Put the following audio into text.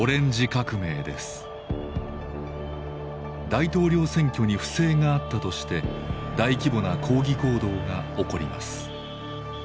大統領選挙に不正があったとして大規模な抗議行動が起こります。